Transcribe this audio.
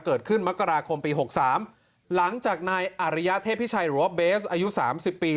มกราคมปี๖๓หลังจากนายอาริยะเทพพิชัยหรือว่าเบสอายุ๓๐ปี